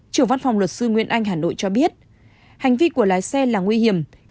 trưởng văn phòng luật sư nguyễn anh hà nội cho biết hành vi của lái xe là nguy hiểm